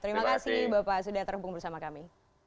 terima kasih bapak sudah terhubung bersama kami